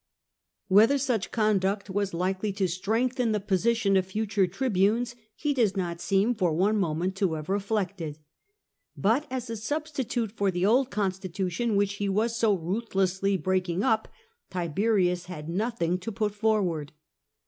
Whether such conduct was likely to strengthen the position of future tribunes, he does not seem for one moment to have reflected. But as a substitute for the old constitution, which he was so ruthlessly breaking up, Tiberius had nothing to put forward.